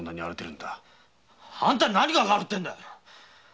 あんたに何がわかるっていうんだ！